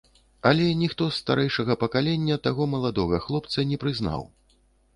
Але ніхто з старэйшага пакалення таго маладога хлопца не прызнаў.